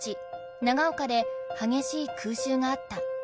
長岡で激しい空襲があった。